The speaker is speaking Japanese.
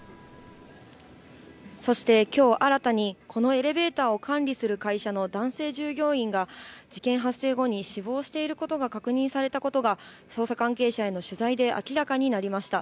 そしてきょう、新たにこのエレベーターを管理する会社の男性従業員が、事件発生後に死亡していることが確認されたことが、捜査関係者への取材で明らかになりました。